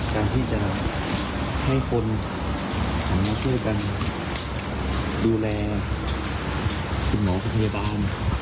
การที่จะให้คนมาช่วยกันดูแลคุณหมอคุณพยาบาล